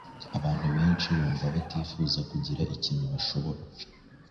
Abantu benshi bumva batifuza kugira ikintu bashobora